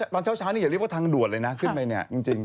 ตอนช้าวนี่อย่ารีบว่าทางด่วนเลยนะขึ้นไปจริง